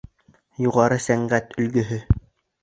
Юғары сәнғәт өлгөһө.